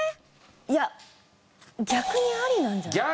いや逆にアリなんじゃないかな？